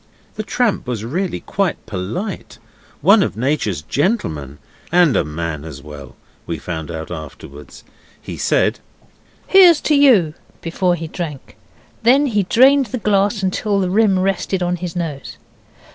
The tramp was really quite polite one of Nature's gentlemen, and a man as well, we found out afterwards. He said 'Here's to you!' before he drank. Then he drained the glass till the rim rested on his nose.